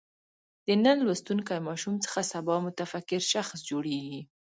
د نن لوستونکی ماشوم څخه سبا متفکر شخص جوړېږي.